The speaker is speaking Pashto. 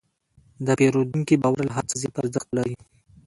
د پیرودونکي باور له هر څه زیات ارزښت لري.